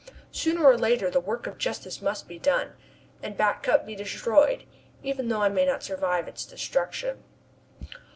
Sooner or later the work of justice must be done, and Back Cup be destroyed, even though I may not survive its destruction.